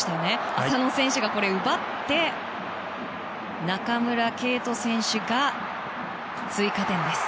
浅野選手が奪って中村敬斗選手が追加点です。